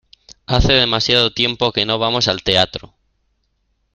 Hace demasiado tiempo que no vamos al teatro.